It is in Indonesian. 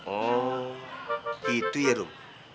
oh gitu ya rum